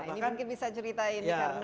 ini mungkin bisa diceritain